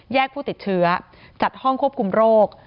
ผู้ติดเชื้อจัดห้องควบคุมโรค